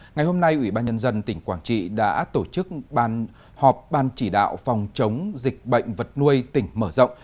ngày hôm nay ủy ban nhân dân tỉnh quảng trị đã tổ chức họp ban chỉ đạo phòng chống dịch bệnh vật nuôi tỉnh mở rộng